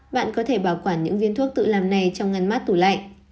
bạn có thể bảo quản những viên thuốc tự làm này trong ngăn mắt tủ lạnh